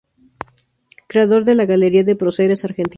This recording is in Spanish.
Creador de la Galería de próceres argentinos.